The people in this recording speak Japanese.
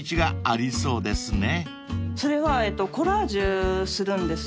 それはえっとコラージュするんですね。